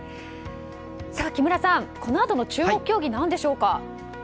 さあ木村さん、このあとの注目競技、何でしょうか。